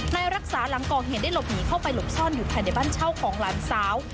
รักษาหลังก่อเหตุได้หลบหนีเข้าไปหลบซ่อนอยู่ภายในบ้านเช่าของหลานสาว